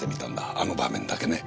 あの場面だけね。